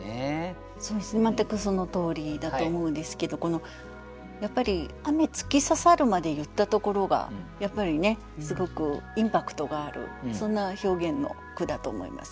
全くそのとおりだと思うんですけどこのやっぱり「雨突き刺さる」まで言ったところがやっぱりねすごくインパクトがあるそんな表現の句だと思います。